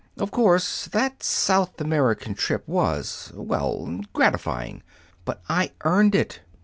Of course, that South American trip was well, gratifying. But I earned it.